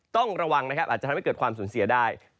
ต้องระวังนะครับอาจจะทำให้เกิดความสูญเสียได้